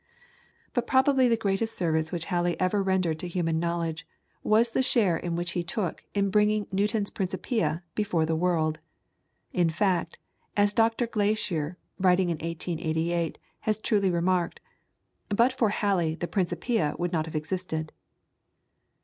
But probably the greatest service which Halley ever rendered to human knowledge was the share in which he took in bringing Newton's "Principia" before the world. In fact, as Dr. Glaisher, writing in 1888, has truly remarked, "but for Halley the 'Principia' would not have existed."